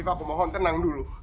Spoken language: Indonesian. aku mohon tenang dulu